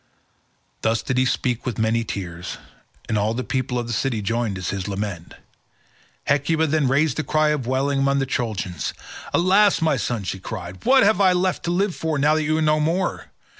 Thus did he speak with many tears, and all the people of the city joined in his lament. Hecuba then raised the cry of wailing among the Trojans. "Alas, my son," she cried, "what have I left to live for now that you are no more?